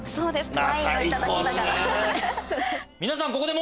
ワインをいただきながら。